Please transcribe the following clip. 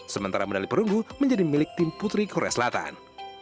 sementara medali perunggu menjadi milik tim putri korea selatan